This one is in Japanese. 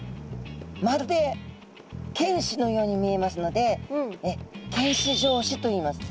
まるで犬歯のように見えますので犬歯状歯といいます。